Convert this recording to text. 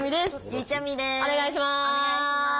お願いします。